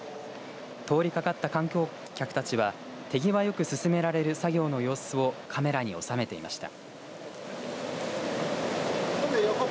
通りかかった観光客たちは手際よく進められる作業の様子をカメラに収めていました。